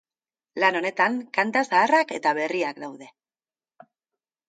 Lan honetan kanta zaharrak eta berriak daude.